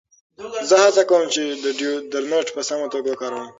زه هڅه کوم چې ډیوډرنټ په سمه توګه وکاروم.